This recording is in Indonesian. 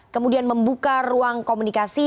kemudian membuka ruang komunikasi